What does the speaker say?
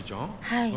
はい。